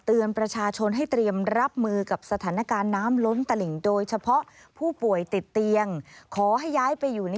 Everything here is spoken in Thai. เนื่องจากข้นรลักษณ์ทุกขาวนั้น